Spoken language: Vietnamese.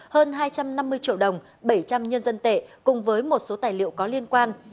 hơn hai trăm năm mươi triệu đồng bảy trăm linh nhân dân tệ cùng với một số tài liệu có liên quan